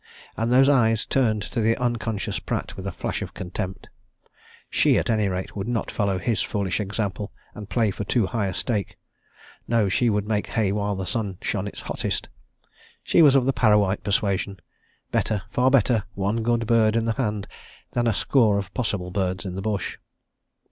And those eyes turned to the unconscious Pratt with a flash of contempt she, at any rate, would not follow his foolish example, and play for too high a stake no, she would make hay while the sun shone its hottest! She was of the Parrawhite persuasion better, far better one good bird in the hand than a score of possible birds in the bush.